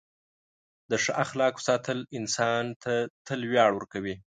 د ښه اخلاقو ساتل انسان ته تل ویاړ ورکوي.